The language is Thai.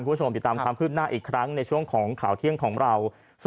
คุณผู้ชมติดตามความคืบหน้าอีกครั้งในช่วงของข่าวเที่ยงของเรา